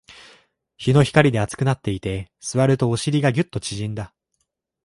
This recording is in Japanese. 日の光で熱くなっていて、座るとお尻がギュッと縮んだ